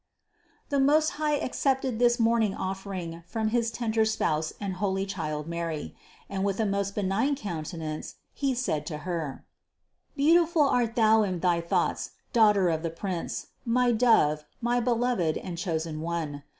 667. The Most High accepted this morning offering from his tender Spouse and holy child Mary, and with a most benign countenance He said to Her: "Beautiful art thou in thy thoughts, Daughter of the Prince, my Dove, my beloved and chosen One.